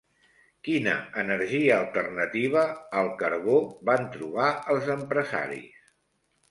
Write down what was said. Quina energia alternativa al carbó van trobar els empresaris?